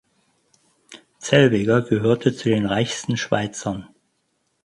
Zellweger gehörte zu den reichsten Schweizern.